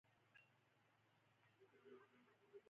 زموږ کيږدۍ د ښار په ختيز لور کې ولاړه ده.